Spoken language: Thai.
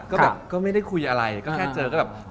ก็แบบก็ไม่ได้คุยอะไรก็แค่เจอก็แบบ